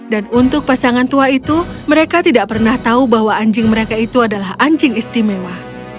dan untuk pasangan tua itu mereka tidak pernah tahu bahwa anjing mereka itu adalah anjing istimewa